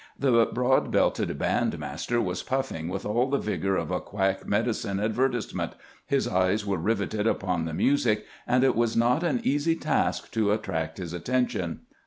The broad belted band master was puffing with all the vigor of a quack medicine advertisement, his eyes were riveted upon the music, and it was not an easy task to*attract his attention.